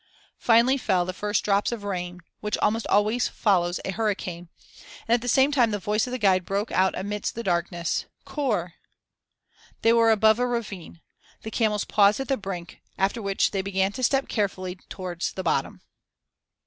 Finally fell the first drops of rain, which almost always follows a hurricane, and at the same time the voice of the guide broke out amidst the darkness: "Khor!" They were above a ravine. The camels paused at the brink; after which they began to step carefully towards the bottom.